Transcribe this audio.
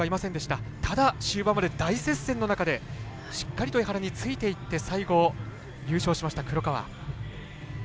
ただ、終盤まで大接戦の中でしっかりと江原についていって優勝しました、黒川。